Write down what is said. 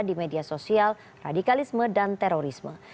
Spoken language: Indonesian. di media sosial radikalisme dan terorisme